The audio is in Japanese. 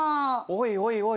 おいおい